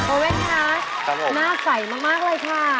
เว่นคะหน้าใสมากเลยค่ะ